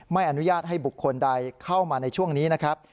ไม่อนุญาตให้บุคคลใดเข้ามาในช่วงนี้นะครับ